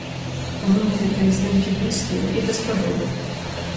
Таму мне гэтыя здымкі блізкія і даспадобы.